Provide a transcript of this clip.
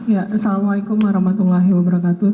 ya assalamualaikum warahmatullahi wabarakatuh